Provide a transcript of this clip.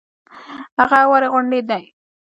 هغه اوارې غونډې دي.